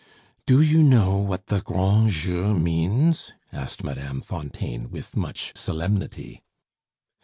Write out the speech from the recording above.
"Do you know what the grand jeu means?" asked Mme. Fontaine, with much solemnity.